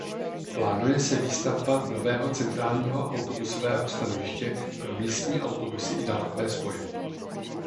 Plánuje se výstavba nového centrálního autobusového stanoviště pro místní autobusy i dálkové spoje.